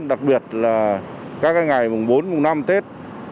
đặc biệt là các ngày bốn năm tết